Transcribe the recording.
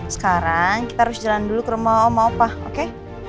sekarang kita harus jalan dulu ke rumah om maopah oke